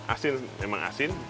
asin memang asin